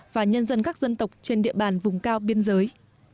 và nhân dân các dân tộc trên địa bàn vùng cao biên giới